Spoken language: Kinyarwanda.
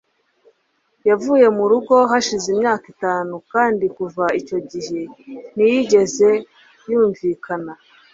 Yavuye mu rugo hashize imyaka itanu, kandi kuva icyo gihe ntiyigeze yumvikana